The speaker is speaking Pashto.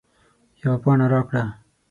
یوه پاڼه راکړه